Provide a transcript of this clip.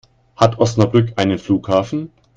Hat Osnabrück einen Flughafen?